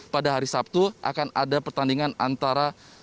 pada hari sabtu akan ada pertandingan antara persipura jayapura dan persidatangerang